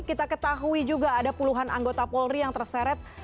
kita ketahui juga ada puluhan anggota polri yang terseret